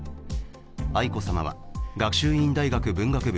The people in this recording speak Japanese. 愛子さまは学習院大学文学部